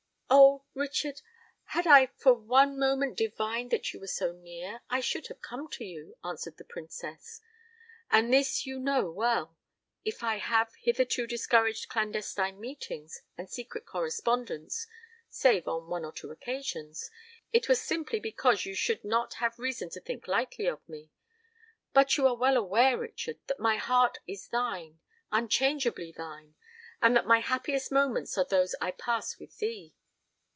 "Oh! Richard, had I for one moment divined that you were so near, I should have come to you," answered the Princess; "and this you know well! If I have hitherto discouraged clandestine meetings and secret correspondence—save on one or two occasions—it was simply because you should not have reason to think lightly of me;—but you are well aware, Richard, that my heart is thine—unchangeably thine,—and that my happiest moments are those I pass with thee!"